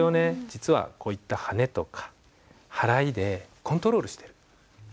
実はこういったはねとか払いでコントロールしてる。